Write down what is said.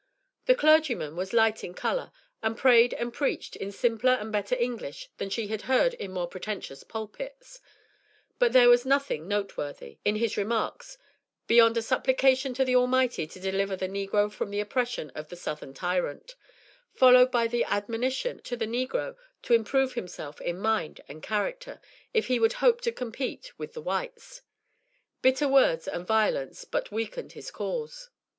The clergyman was light in colour, and prayed and preached in simpler and better English than she had heard in more pretentious pulpits, but there was nothing noteworthy, in his remarks beyond a supplication to the Almighty to deliver the negro from the oppression of the "Southern tyrant," followed by an admonition to the negro to improve himself in mind and character if he would hope to compete with the Whites; bitter words and violence but weakened his cause.